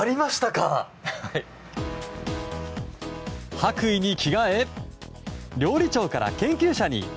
白衣に着替え料理長から研究者に。